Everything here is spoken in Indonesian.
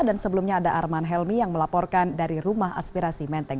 dan sebelumnya ada arman helmi yang melaporkan dari rumah aspirasi menteng